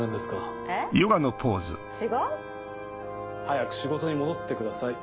早く仕事に戻ってください。